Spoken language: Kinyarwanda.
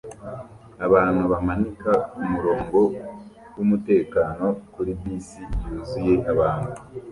Abantu bamanika kumurongo wumutekano kuri bisi yuzuye abantu